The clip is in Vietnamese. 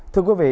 thưa quý vị